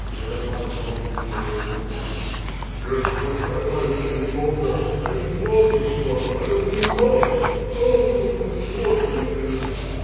Thereupon Longin folded his hands. "Yes, why should I hide it any longer? I am in love, little brother, I am in love. Ah! what a misfortune it is."